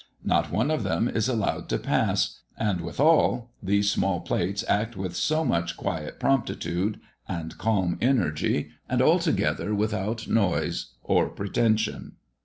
Not one of them is allowed to pass; and withal these small plates act with so much quiet promptitude and calm energy, and altogether without noise or pretension.